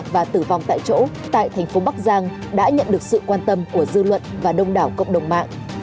và tử vong tại chỗ tại thành phố bắc giang đã nhận được sự quan tâm của dư luận và đông đảo cộng đồng mạng